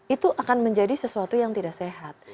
itu akan menjadi sesuatu yang tidak sehat